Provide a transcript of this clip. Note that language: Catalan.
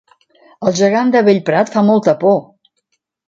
El gegant de Bellprat fa molta por